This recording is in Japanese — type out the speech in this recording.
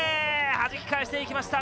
はじき返していきました